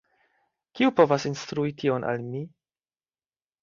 Kiu povas instrui tion al mi?